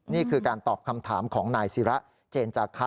นี่คือการตอบคำถามของนายศิระเจนจาคะ